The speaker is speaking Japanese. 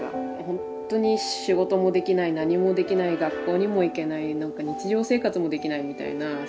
ほんっとに仕事もできない何もできない学校にも行けない日常生活もできないみたいな。